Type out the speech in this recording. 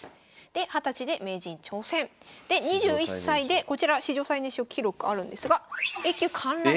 で２０歳で名人挑戦。で２１歳でこちら史上最年少記録あるんですがＡ級陥落。